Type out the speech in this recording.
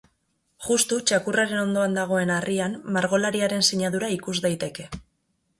Justu txakurraren ondoan dagoen harrian margolariaren sinadura ikus daiteke.